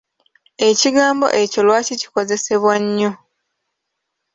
Ekigambo ekyo lwaki kikozesebwa nnyo?